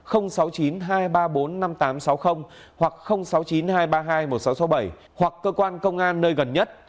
hoặc sáu mươi chín hai trăm ba mươi hai một nghìn sáu trăm sáu mươi bảy hoặc cơ quan công an nơi gần nhất